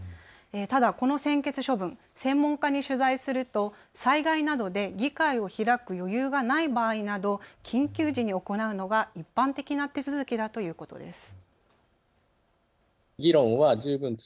ただ、この専決処分、専門家に取材すると災害などで議会を開く余裕がない場合など緊急時に行うのが一般的な手続きだということです。